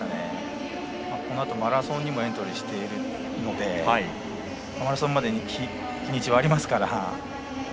このあとマラソンにもエントリーしているのでそこまで日にちはありますから。